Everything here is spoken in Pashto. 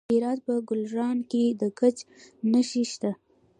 د هرات په ګلران کې د ګچ نښې شته.